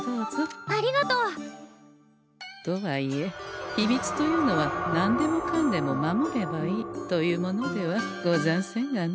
ありがとう！とはいえ秘密というのは何でもかんでも守ればいいというものではござんせんがね。